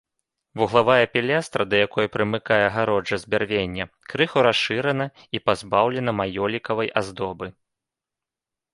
Вуглавая пілястра, да якой прымыкае агароджа з бярвення, крыху расшырана і пазбаўлена маёлікавай аздобы.